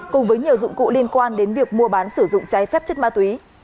cùng với nhiều dụng cụ liên quan đến việc mua bán sử dụng trái phép chất ma túy